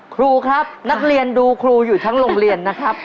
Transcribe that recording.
ครูครับนักเรียนดูครูอยู่ทั้งโรงเรียนนะครับ